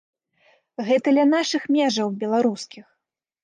Гэта ля нашых межаў, беларускіх!